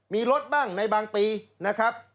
มีลดบ้างในบางปีนะครับ